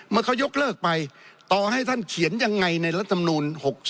เมื่อเขายกเลิกไปต่อให้ท่านเขียนยังไงในรัฐมนูล๖๒